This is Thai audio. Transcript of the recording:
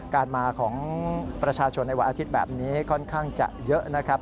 การมาของประชาชนในวันอาทิตย์แบบนี้ค่อนข้างจะเยอะนะครับ